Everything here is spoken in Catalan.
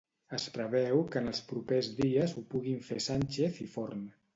Es preveu que en els propers dies ho puguin fer Sànchez i Forn.